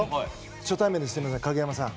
初対面ですみません、影山さん。